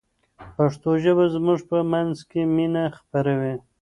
پښتو ژبه زموږ په منځ کې مینه خپروي.